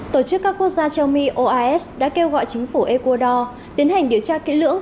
tổ chức các quốc gia châu mỹ oas đã kêu gọi chính phủ ecuador tiến hành điều tra kỹ lưỡng